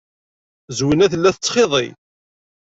Zwina tella tettxiḍi.